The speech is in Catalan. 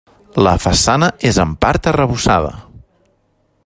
La façana és en part arrebossada.